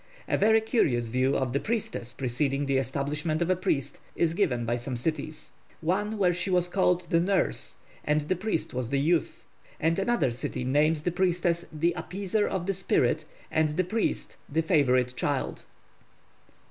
A very curious view of the priestess preceding the establishment of a priest is given by some cities; one where she was called the Nurse, and the priest was the Youth, and another city names the priestess the 'Appeaser of the Spirit' and the priest the 'Favourite Child.'